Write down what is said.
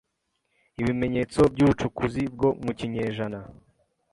Ibimenyetso byubucukuzi bwo mu kinyejana